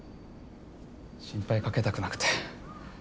心配かけたくなくて。